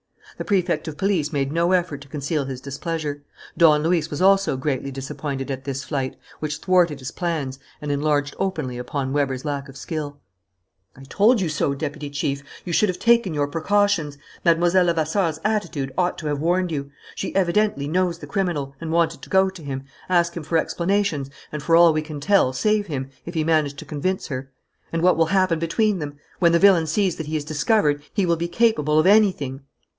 The Prefect of Police made no effort to conceal his displeasure. Don Luis was also greatly disappointed at this flight, which thwarted his plans, and enlarged openly upon Weber's lack of skill. "I told you so, Deputy Chief! You should have taken your precautions. Mlle. Levasseur's attitude ought to have warned you. She evidently knows the criminal and wanted to go to him, ask him for explanations and, for all we can tell, save him, if he managed to convince her. And what will happen between them? When the villain sees that he is discovered, he will be capable of anything."